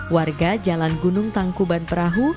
warga jalan gunung tangkuban perahu